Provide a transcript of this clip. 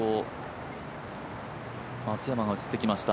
松山が映ってきました